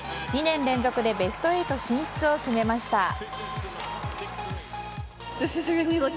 ２年連続でベスト８進出を決めました。